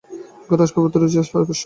ঘরের আসবাবপত্রে রুচির ছাপ স্পষ্ট।